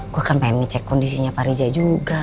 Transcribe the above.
gua kan pengen ngecek kondisinya pak rizie juga